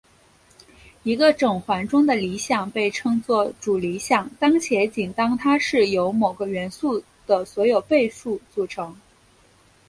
一个整环中的理想被称作主理想当且仅当它是由某个元素的所有倍数组成。